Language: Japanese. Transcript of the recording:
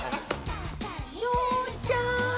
翔ちゃん。